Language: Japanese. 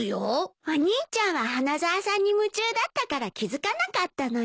お兄ちゃんは花沢さんに夢中だったから気付かなかったのよ。